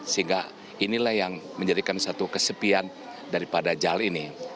sehingga inilah yang menjadikan satu kesepian daripada jal ini